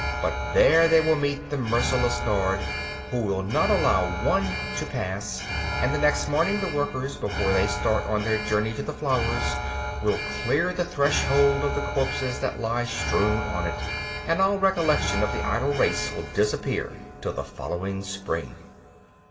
But there they will meet the merciless guard, who will not allow one to pass; and, the next morning, the workers, before they start on their journey to the flowers, will clear the threshold of the corpses that lie strewn on it; and all recollection of the idle race will disappear till the following spring.